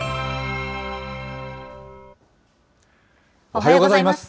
おはようございます。